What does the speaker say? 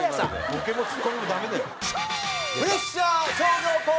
ボケもツッコミもダメだよ。